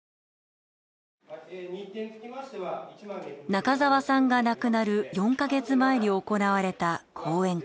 中沢さんが亡くなる４カ月前に行われた講演会。